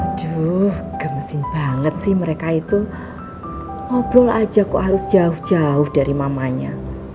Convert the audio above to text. aduh gemesin banget sih mereka itu ngobrol aja kok harus jauh jauh dari mamanya